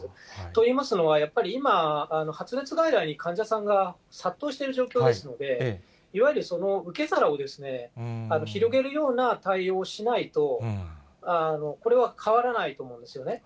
といいますのは、やっぱり今、発熱外来に患者さんが殺到してる状況ですので、いわゆる受け皿を広げるような対応をしないと、これは変わらないと思うんですよね。